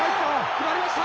決まりました！